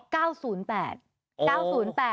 ๘ค่ะ๘เนาะ๙๐๘